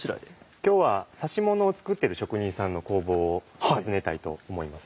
今日は指物を作っている職人さんの工房を訪ねたいと思います。